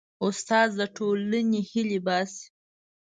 استاد د ټولنې هیلې باسي.